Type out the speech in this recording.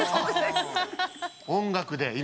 音楽で今。